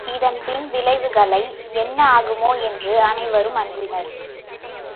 இதன் பின் விளைவுகள் என்ன ஆகுமோ என்று அனைவரும் அஞ்சினர்.